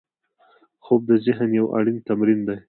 خوب د ذهن یو اړین تمرین دی